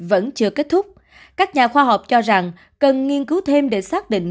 vẫn chưa kết thúc các nhà khoa học cho rằng cần nghiên cứu thêm để xác định